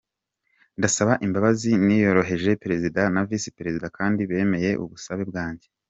Ndasaba imbabazi niyoroheje Perezida na Visi Perezida, kandi bemeye ubusabe bwanjye.